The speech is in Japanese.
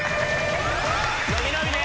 ・伸び伸びね！